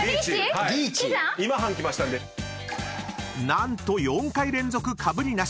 ［何と４回連続かぶりなし］